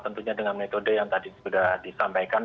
tentunya dengan metode yang tadi sudah disampaikan